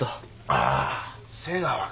ああー瀬川か。